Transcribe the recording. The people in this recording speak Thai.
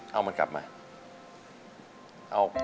เอามันกลับมา